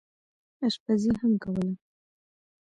اشپزي هم کوله.